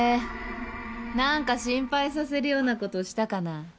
何か心配させるようなことしたかな？